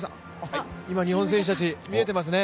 今、日本の選手たち、見えていますね。